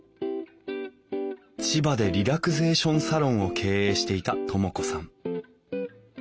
千葉でリラクゼーションサロンを経営していた智子さん。